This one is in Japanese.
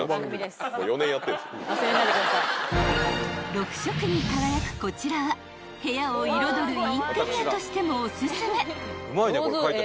［６色に輝くこちらは部屋を彩るインテリアとしてもおすすめ］